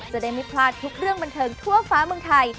จะได้ไม่พลาดทุกเรื่องบันเทิงทั่วฟ้าเมืองไทย